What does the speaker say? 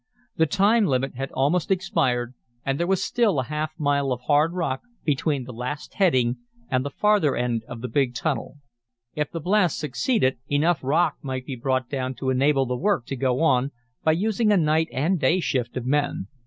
The time limit had almost expired, and there was still a half mile of hard rock between the last heading and the farther end of the big tunnel. If the blast succeeded enough rock might be brought down to enable the work to go on, by using a night and day shift of men.